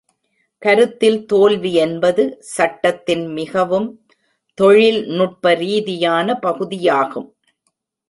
கருத்தில் தோல்வி என்பது சட்டத்தின் மிகவும் தொழில்நுட்ப ரீதியான பகுதியாகும்.